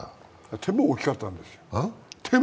手も大きかったんですよ。